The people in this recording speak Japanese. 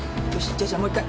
じゃあじゃあもう一回。